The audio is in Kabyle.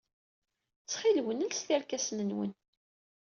Ttxil-wen, lset irkasen-nwen.